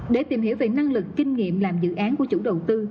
để tìm hiểu về năng lực kinh nghiệm làm dự án của chủ đầu tư